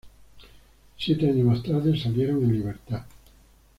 Siete años más tarde, salieron en libertad.